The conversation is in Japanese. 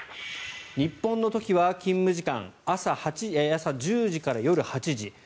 日本の時は勤務時間朝１０時から夜８時。